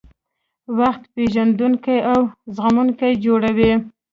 وخت پېژندونکي او زغموونکي یې جوړوي.